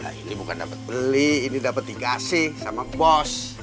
ini bukan dapat beli ini dapat dikasih sama bos